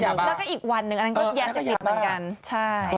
แล้วก็อีกวันหนึ่งก็ยากยังหยิบเหมือนกันใช่นะคะ